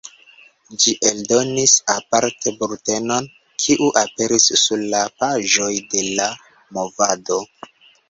Ĝi eldonis aparte bultenon, kiu aperis sur la paĝoj de La Movado.